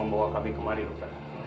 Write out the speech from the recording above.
ada apa dok